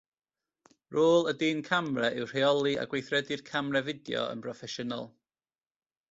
Rôl y dyn camera yw rheoli a gweithredu'r camera fideo yn broffesiynol